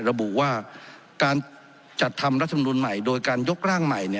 ระบุว่าการจัดทำรัฐมนุนใหม่โดยการยกร่างใหม่